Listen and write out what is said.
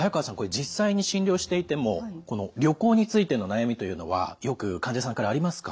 実際に診療していても旅行についての悩みというのはよく患者さんからありますか？